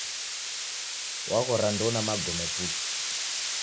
Waghora ndouna magome putu